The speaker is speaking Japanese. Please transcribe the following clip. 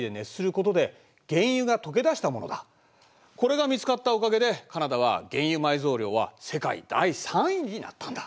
これが見つかったおかげでカナダは原油埋蔵量は世界第３位になったんだ。